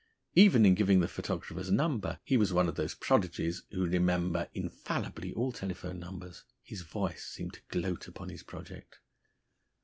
Even in giving the photographer's number, he was one of those prodigies who remember infallibly all telephone numbers, his voice seemed to gloat upon his project.